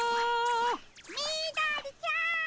みどりちゃん！